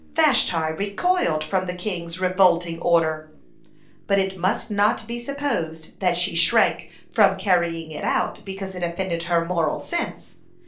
(34) Vashti recoiled from the king's revolting order. But it must not be supposed that she shrank from carrying it out because it offended her moral sense.